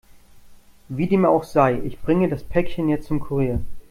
Wie dem auch sei, ich bringe das Päckchen jetzt zum Kurier.